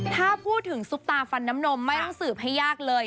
ถ้าพูดถึงซุปตาฟันน้ำนมไม่ต้องสืบให้ยากเลย